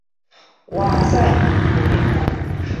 瓦塞人口变化图示